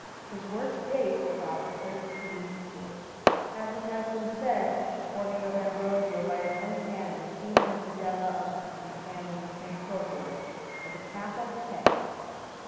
His works date about 1340. As it has been said, the portrait of Ambrogio, by his own hand, is seen in the predella of his panel in S. Procolo, with a cap on his head.